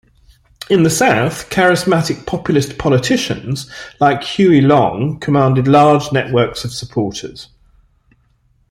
In the South, charismatic populist politicians like Huey Long commanded large networks of supporters.